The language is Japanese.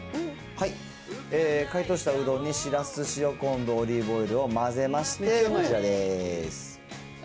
解凍したうどんにしらす、塩昆布、オリーブオイルを混ぜまして、こちらです。